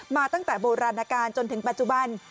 มาตั้งแต่โบราณการจนถึงปัจจุบัน